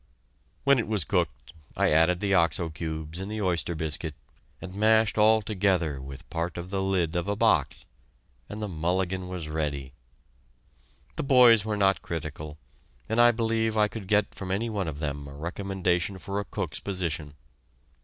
When it was cooked, I added the oxo cubes and the oyster biscuit, and mashed all together with part of the lid of a box, and the mulligan was ready. The boys were not critical, and I believe I could get from any one of them a recommendation for a cook's position.